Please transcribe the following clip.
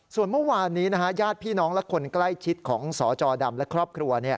ส่วนเมื่อวานนี้ญาติพี่น้องและคนใกล้ชิดของสจดำและครอบครัว